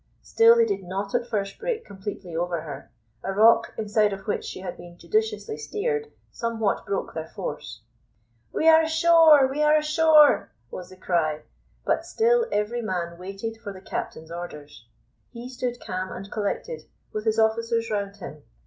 Still they did not at first break completely over her; a rock, inside of which she had been judiciously steered, somewhat broke their force. "We are ashore we are ashore!" was the cry, but still every man waited for the captain's orders. He stood calm and collected, with his officers round him.